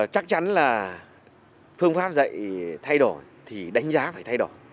chắc chắn là phương pháp dạy thay đổi thì đánh giá phải thay đổi